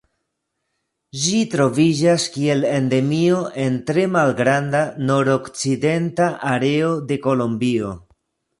Ĝi troviĝas kiel endemio en tre malgranda nordokcidenta areo de Kolombio.